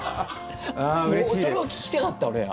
それを聞きたかった、俺。